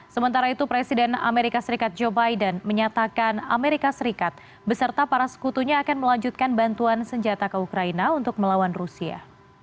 sementara itu presiden amerika serikat joe biden menyatakan amerika serikat beserta para sekutunya akan melanjutkan bantuan senjata ke ukraina untuk melawan rusia